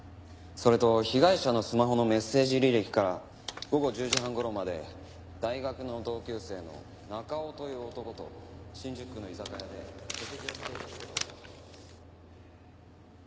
それと被害者のスマホのメッセージ履歴から午後１０時半頃まで大学の同級生の中尾という男と新宿区の居酒屋で食事をしていた事がわかっています。